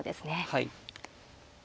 はい。